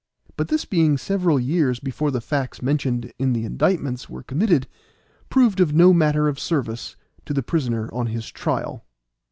But this being several years before the facts mentioned in the indictment were committed, proved of no manner of service to the prisoner on his trial.